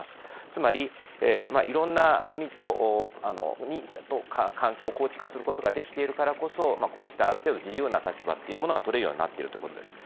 つまり、いろんな国と関係を構築することができているからこそ、こうしたある程度自由な立場というのが取れるようになっているということです。